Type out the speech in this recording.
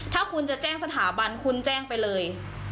ถ้าคุณจะแจ้งสถาบันคุณแจ้งไปเลย